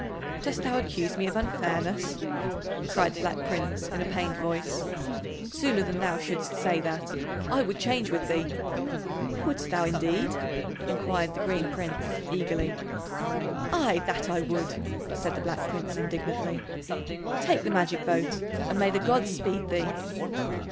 "Dost thou accuse me of unfairness?" cried the Black Prince in a pained voice. "Sooner than thou shouldst say that, I would change with thee." "Wouldst thou, indeed?" enquired the Green Prince eagerly. "Ay, that would I," said the Black Prince indignantly. "Take the magic boat, and may the gods speed thee."